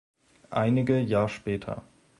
Einige Jahr später.